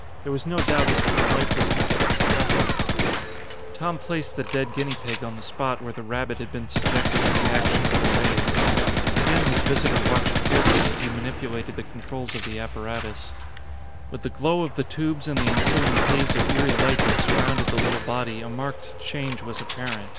There was no doubt as to the lifelessness of this specimen. Tom placed the dead guinea pig on the spot where the rabbit had been subjected to the action of the rays. Again his visitor watched carefully as he manipulated the controls of the apparatus. With the glow of the tubes and the ensuing haze of eery light that surrounded the little body, a marked change was apparent.